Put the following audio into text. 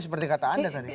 seperti kata anda tadi